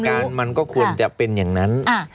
โดยหลักการมันก็ควรจะเป็นอย่างนั้น